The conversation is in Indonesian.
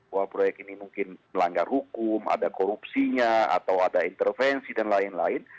bahwa proyek ini mungkin melanggar hukum ada korupsinya atau ada intervensi dan lain lain